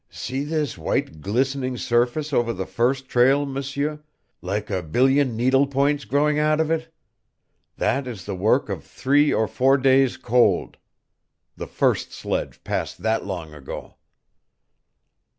See this white glistening surface over the first trail, M'seur, like a billion needle points growing out of it? That is the work of three or four days' cold. The first sledge passed that long ago."